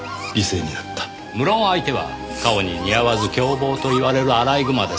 無論相手は顔に似合わず凶暴と言われるアライグマです。